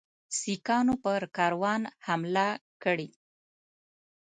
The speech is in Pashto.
سیکهانو پر کاروان حمله کړې.